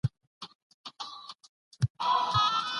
نقيبه! بيا دي سترګي